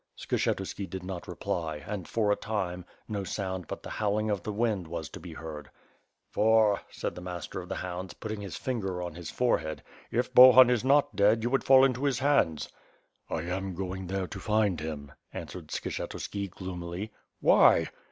Skshetuski did not reply and, for a time, no sound but the howling of the wind was to be heard. 'Tor," said the Master of the Hounds, putting his finger on 5Q2 WITH FIRE AND SWORD. his forehead, "if Bohun is not dead you would fall into his hands." "I am going there to find him," answered Skshetuski gloomily. "Why?"